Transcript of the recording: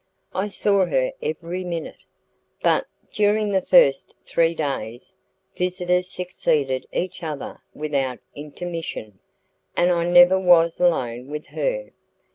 I saw her every minute; but, during the first three days, visitors succeeded each other without intermission, and I never was alone with her.